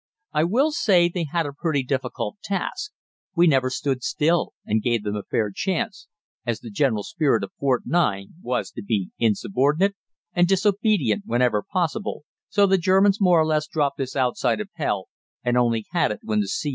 I will say that they had a pretty difficult task; we never stood still and gave them a fair chance, as the general spirit of Fort 9 was to be insubordinate and disobedient whenever possible, so the Germans more or less dropped this outside Appell and only had it when the C.